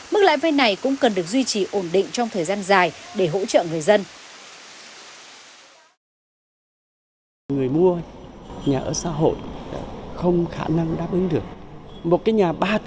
mức lãi vay này cũng cần được duy trì ổn định trong thời gian dài để hỗ trợ người dân